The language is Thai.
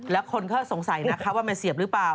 แล้วคนก็สงสัยนะคะว่ามันเสียบหรือเปล่า